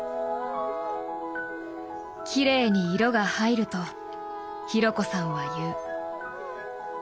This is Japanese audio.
「きれいに色が入る」と紘子さんは言う。